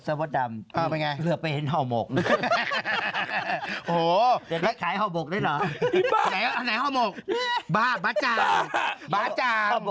แสนมันดูแพงแสนมากครับ